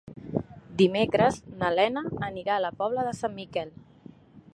Dimecres na Lena anirà a la Pobla de Sant Miquel.